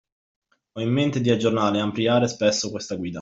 Ho in mente di aggiornare e ampliare spesso questa guida